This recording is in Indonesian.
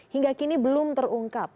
hingga kini belum terungkap